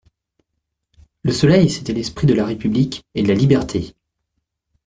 Le soleil c'était l'esprit de la République et de la Liberté!